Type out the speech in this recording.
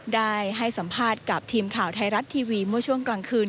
ได้ให้สัมภาษณ์กับทีมข่าวไทยรัฐทีวีเมื่อช่วงกลางคืน